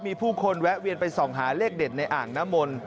มีผู้คนแวะเวียนไปส่องหาเลขเด็ดในอ่างน้ำมนต์